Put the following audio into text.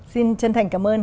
xin chân thành cảm ơn